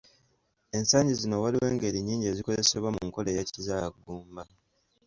Ensangi zino waliwo engeri nnyingi ezikozesebwa mu nkola eya kizaalaggumba.